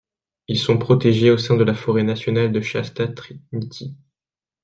Ils sont protégés au sein de la forêt nationale de Shasta-Trinity.